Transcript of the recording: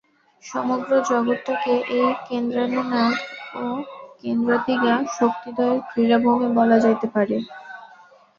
সমগ্র জগৎটাকে এই কেন্দ্রানুগা ও কেন্দ্রাতিগা শক্তিদ্বয়ের ক্রীড়াভূমি বলা যাইতে পারে।